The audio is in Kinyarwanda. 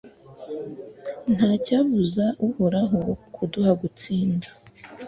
ntacyabuza uhoraho kuduha gutsinda